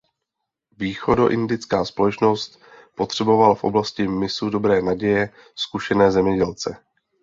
Východoindická společnost potřebovala v oblasti mysu Dobré naděje zkušené zemědělce.